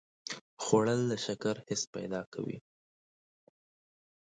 خوړل د شکر حس پیدا کوي